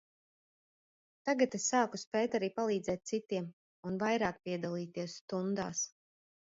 Tagad es sāku spēt arī palīdzēt citiem un vairāk piedalīties stundās.